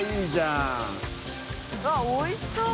うわっおいしそう！